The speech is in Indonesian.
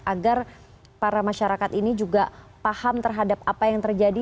agar para masyarakat ini juga paham terhadap apa yang terjadi